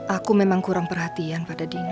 aku memang kurang perhatian pada dirinya